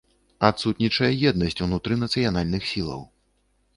Адсутнічае еднасць унутры нацыянальных сілаў.